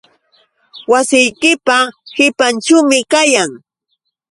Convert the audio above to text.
Wasiykipa qipanćhuumi kayan.